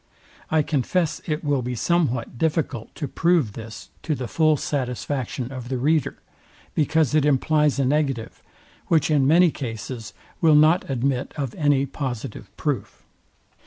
I confess it will be somewhat difficult to prove this to the fall satisfaction of the reader; because it implies a negative, which in many cases will not admit of any positive proof.